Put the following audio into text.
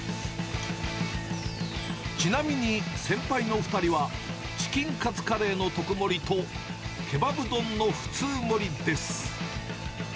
ちなみに、先輩の２人は、チキンカツカレーの特盛と、ケバブ丼の普通盛です。